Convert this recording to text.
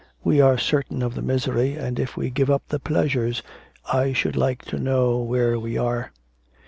We are certain of the misery, and if we give up the pleasures, I should like to know where we are.'